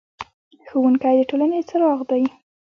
ښوونکی د ټولنې څراغ دی.